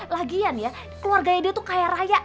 lagian ya keluarganya dia tuh kaya raya